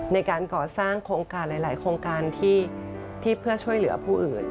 ในการก่อสร้างโครงการหลายโครงการที่เพื่อช่วยเหลือผู้อื่น